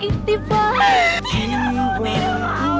aku tidak mau ibu